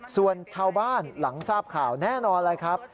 ส่วนชาวบ้านหลังทราบข่าวแน่นอนเลยครับ